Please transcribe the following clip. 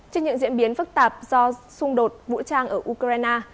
trên những diễn biến phức tạp do xung đột vũ trang ở ukraine